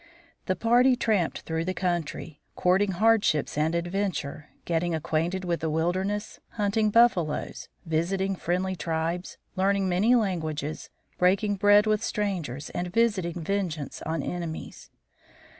The party tramped through the country, courting hardships and adventure, getting acquainted with the wilderness, hunting buffaloes, visiting friendly tribes, learning many languages, breaking bread with strangers, and visiting vengeance on enemies.